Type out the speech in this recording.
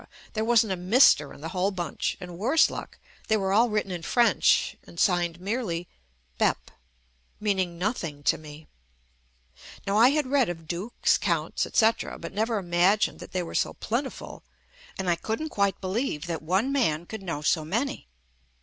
there wasn't a Mister in the whole bunch, and worse JUST ME luck they were all written in French and signed merely "Bep," meaning nothing to me. Now I had read of dukes, counts, etc., but never imagined that they were so plentiful, and I couldn't quite believe that one man could know so many.